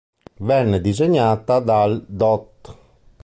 Venne disegnata dal Dott.